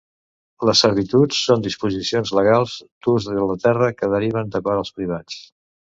Les servituds són disposicions legals d'ús de la terra que deriven d'acords privats.